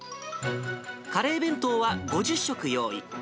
カレー弁当は５０食用意。